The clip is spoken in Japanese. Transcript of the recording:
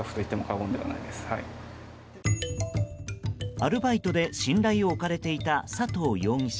アルバイトで信頼を置かれていた佐藤容疑者。